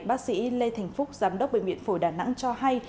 bác sĩ lê thành phúc giám đốc bệnh viện phổi đà nẵng cho hay